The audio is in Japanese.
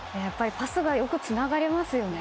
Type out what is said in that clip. パスがよくつながりますよね。